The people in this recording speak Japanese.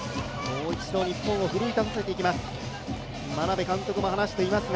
もう一度日本を奮い立たせていきます。